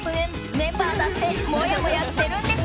メンバーだってもやもやしているんです！